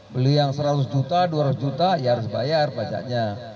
beli yang seratus juta dua ratus juta ya harus bayar pajaknya